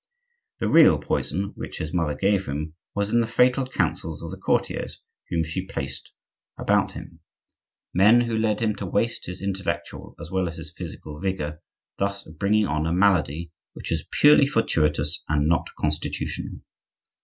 The real poison which his mother gave him was in the fatal counsels of the courtiers whom she placed about him,—men who led him to waste his intellectual as well as his physical vigor, thus bringing on a malady which was purely fortuitous and not constitutional.